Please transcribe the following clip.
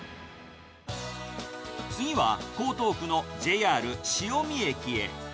次は江東区のＪＲ潮見駅へ。